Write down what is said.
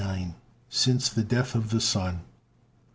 Since the Death of the Sun.